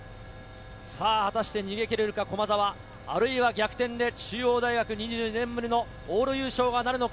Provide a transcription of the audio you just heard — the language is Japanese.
逃げ切れるか駒澤、或いは逆転で中央大学２２年ぶりの往路優勝なるのか？